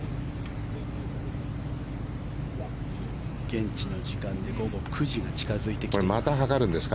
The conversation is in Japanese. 現地の時間で午後９時が近付いてきています。